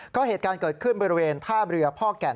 ก็เหตุการณ์เกิดขึ้นบริเวณท่าเรือพ่อแก่น